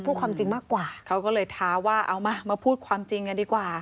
พูดความจริงมากกว่าเขาก็เลยท้าว่าเอามามาพูดความจริงกันดีกว่า